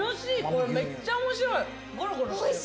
これめっちゃ面白い。